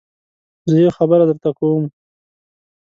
زه يوه خبره درته کوم.